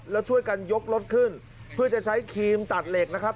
แล้วช่วยกันยกรถขึ้นเพื่อจะใช้ครีมตัดเหล็กนะครับ